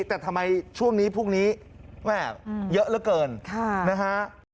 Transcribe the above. แต่ทำไมช่วงนี้พวกนี้เยอะเหลือเกินค่ะนะฮะ